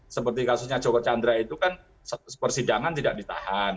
seperti kasusnya joko chandra itu kan persidangan tidak ditahan